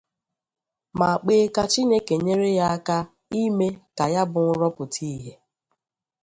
ma kpee ka Chineke nyere ya aka ime ka ya bụ nrọ pụta ìhè